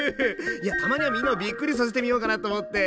いやたまにはみんなをびっくりさせてみようかなと思って。